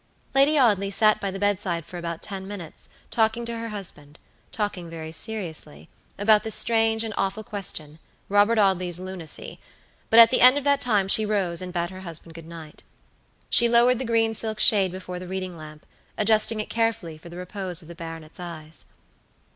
Lady Audley sat by the bedside for about ten minutes, talking to her husband, talking very seriously, about this strange and awful questionRobert Audley's lunacy; but at the end of that time she rose and bade her husband good night. She lowered the green silk shade before the reading lamp, adjusting it carefully for the repose of the baronet's eyes.